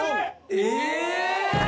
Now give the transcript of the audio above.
え！